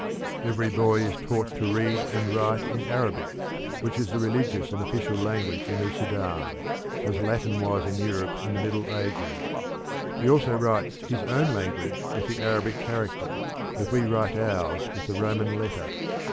] Every boy is taught to read and write in Arabic, which is the religious and official language in the Sudan, as Latin was in Europe in the Middle Ages; he also writes his own language with the Arabic character, as we write ours with the Roman letter.